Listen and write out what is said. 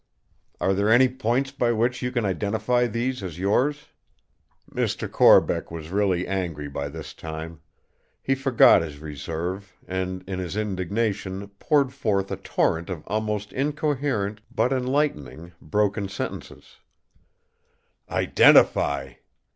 Are there any points by which you can identify these as yours?" Mr. Corbeck was really angry by this time. He forgot his reserve; and in his indignation poured forth a torrent of almost incoherent, but enlightening, broken sentences: "Identify!